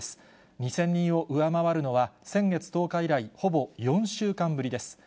２０００人を上回るのは、先月１０日以来、ほぼ４週間ぶりです。